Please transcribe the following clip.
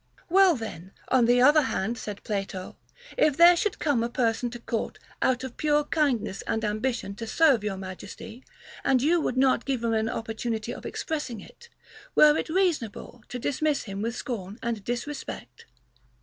Well then, on the other hand, said Plato, if there should come a person to court out of pure kindness and ambition to serve your majesty, and you would not give him an opportunity of expressing it, were it rea sonable to dismiss him with scorn and disrespect